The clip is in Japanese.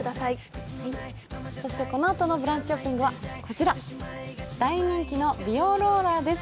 そしてこのあとの「ブランチショッピング」はこちら大人気の美容ローラーです。